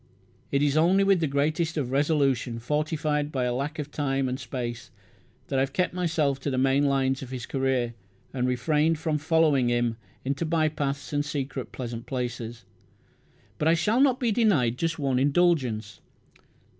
It is only with the greatest of resolution, fortified by lack of time and space, that I have kept myself to the main lines of his career, and refrained from following him into by paths and secret, pleasant places; but I shall not be denied just one indulgence.